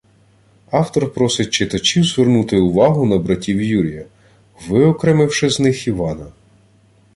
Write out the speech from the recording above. Автор просить читачів звернути увагу на братів Юрія, виокремивши з них Івана